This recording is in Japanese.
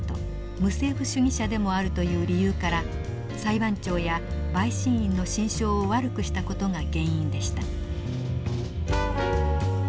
無政府主義者でもあるという理由から裁判長や陪審員の心証を悪くした事が原因でした。